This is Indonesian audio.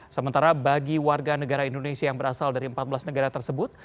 sementara bagi warga negara indonesia yang berasal dari empat belas negara tersebut